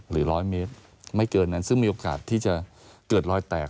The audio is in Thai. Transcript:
ร้อยเมตรไม่เกินนั้นซึ่งมีโอกาสที่จะเกิดรอยแตก